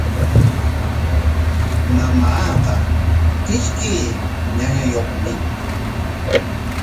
Mamaaqa ishkay ñañayuqmi.